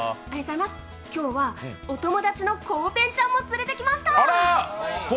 今日はお友達のコウペンちゃんも連れてきました。